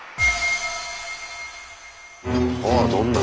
あどんな？